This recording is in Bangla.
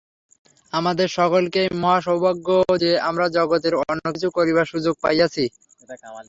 আমাদের সকলেরই মহা সৌভাগ্য যে, আমরা জগতের জন্য কিছু করিবার সুযোগ পাইয়াছি।